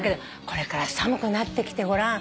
これから寒くなってきてごらん。